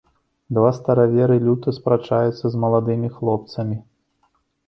Два стараверы люта спрачаюцца з маладымі хлопцамі.